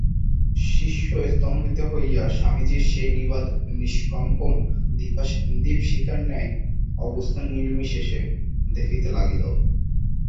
শিষ্য স্তম্ভিত হইয়া স্বামীজীর সেই নিবাত নিষ্কম্প দীপশিখার ন্যায় অবস্থান নির্নিমেষে দেখিতে লাগিল।